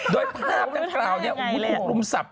โดยภาพด้านกล่าวเนี่ยโอ้โหถูกรุมศัพท์